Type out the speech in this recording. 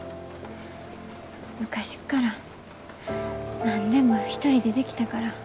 昔から何でも一人でできたから。